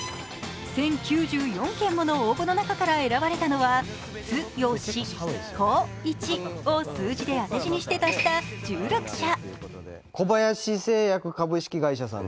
１０９４件もの応募の中から選ばれたのは剛、光一を数字で当て字にして足した１６社。